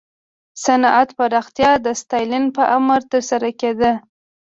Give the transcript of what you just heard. د صنعت پراختیا د ستالین په امر ترسره کېده